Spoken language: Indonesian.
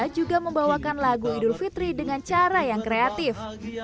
juga membawakan lagu idul fitri dengan cara yang kreatif